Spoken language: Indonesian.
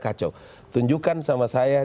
kacau tunjukkan sama saya